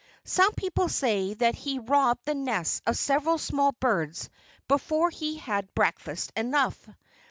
Some people say that he robbed the nests of several small birds before he had breakfast enough.